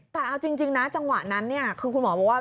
แต่เอาจริงนะจังหวะนั้นคือคุณหมอบอกว่า